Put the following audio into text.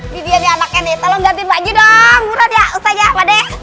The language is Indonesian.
bikin baju dong murah ya ustazah padeh